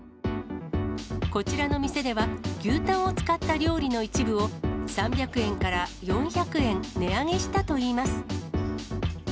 こちらの店では、牛タンを使った料理の一部を、３００円から４００円、値上げしたといいます。